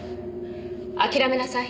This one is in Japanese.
諦めなさい。